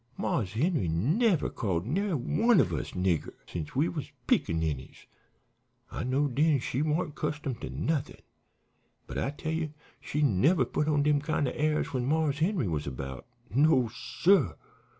Marse Henry never called nary one of us nigger since we was pickaninnies. I knowed den she warn't 'customed to nuthin'. But I tell ye she never put on dem kind o' airs when Marse Henry was about. No, suh.